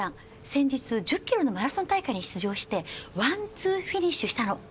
先日１０キロのマラソン大会に出場してワンツーフィニッシュしたの。